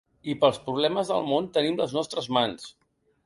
I pels problemes del món tenim les nostres mans.